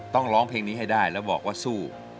ต้องร้องเพลงนี้ให้ได้แล้วบอกว่าสู้